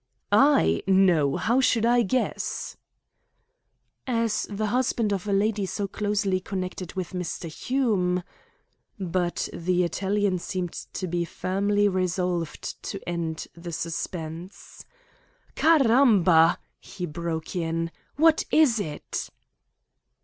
"I? No. How should I guess?" "As the husband of a lady so closely connected with Mr. Hume " But the Italian seemed to be firmly resolved to end the suspense. "Caramba!" he broke in. "What is it?"